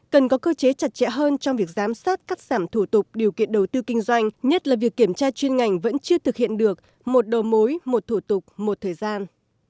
cần có cơ chế chặt chẽ hơn trong việc giám sát cắt giảm thủ tục điều kiện đầu tư kinh doanh nhất là việc kiểm tra chuyên ngành vẫn chưa thực hiện được một đầu mối một thủ tục một thời gian